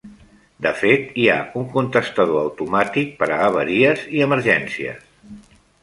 De fet, hi ha un contestador automàtic per a avaries i emergències.